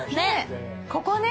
ここね。